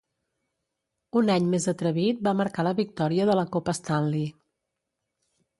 Un any més atrevit va marcar la victòria de la Copa Stanley.